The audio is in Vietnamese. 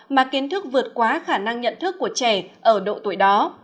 mà kiến thức vượt quá khả năng nhận thức của trẻ ở độ tuổi đó